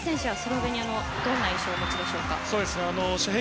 清水選手はスロベニアどんな印象をお持ちですか。